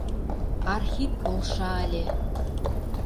Архип полша ыле.